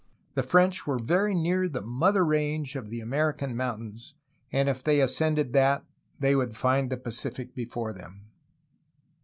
The French were very near the '^mother range'' of the American moun tains, and if they ascended that, they would find the Pacific before them.